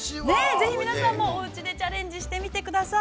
◆ぜひ皆さんも、チャレンジしてみてください。